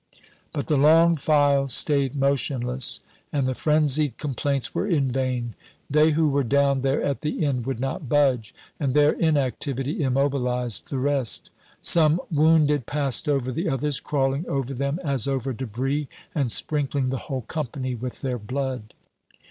But the long file stayed motionless, and the frenzied complaints were in vain. They who were down there at the end would not budge, and their inactivity immobilized the rest. Some wounded passed over the others, crawling over them as over debris, and sprinkling the whole company with their blood.